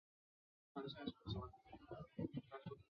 这使得英国出版品的自由程度大为提升。